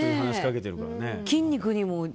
筋肉にも。